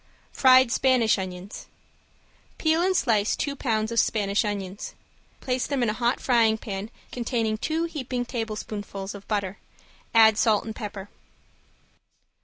~FRIED SPANISH ONIONS~ Peel and slice two pounds of Spanish onions. Place them in a hot frying pan, containing two heaping tablespoonfuls of butter, add salt and pepper.